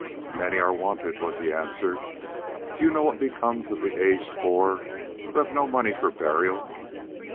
"Many are wanted," was the answer. "Do you know what becomes of the aged poor who have no money for burial?